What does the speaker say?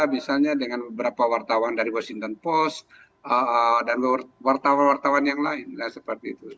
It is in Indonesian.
misalnya dengan beberapa wartawan dari washington post dan wartawan wartawan yang lain seperti itu